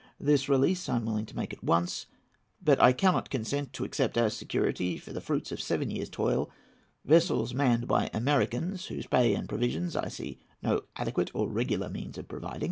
This release I am ready to make at once; but I cannot consent to accept as security, for the fruits of seven years' toil, vessels manned by Americans, whose pay and provisions I see no adequate or regular means of providing.